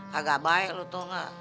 kagak baik lo tau gak